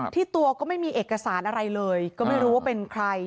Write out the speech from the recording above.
ที่ตัวก็ไม่มีเอกสารอะไรเลยก็ไม่รู้ว่าเป็นใคร